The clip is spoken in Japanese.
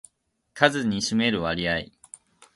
数に占める割合